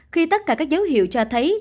khi tất cả các dấu hiệu cho thấy